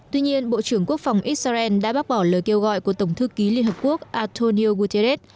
tuy nhiên bộ trưởng quốc phòng israel đã bác bỏ lời kêu gọi của tổng thư ký liên hợp quốc antonio guterres